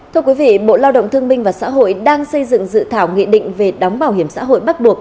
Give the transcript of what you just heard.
thưa quý vị bộ lao động thương minh và xã hội đang xây dựng dự thảo nghị định về đóng bảo hiểm xã hội bắt buộc